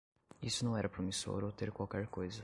Isso não era promissor ou ter qualquer coisa.